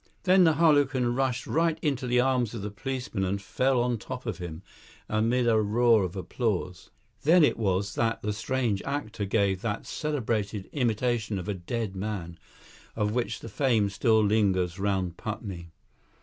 Then the harlequin rushed right into the arms of the policeman and fell on top of him, amid a roar of applause. Then it was that the strange actor gave that celebrated imitation of a dead man, of which the fame still lingers round Putney.